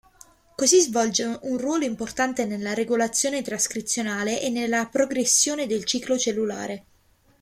Così svolge un ruolo importante nella regolazione trascrizionale e nella progressione del ciclo cellulare.